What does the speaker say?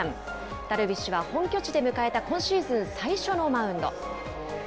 ダルビッシュは、本拠地で迎えた今シーズン最初のマウンド。